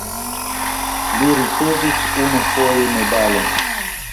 Li ricevis unufoje medalon.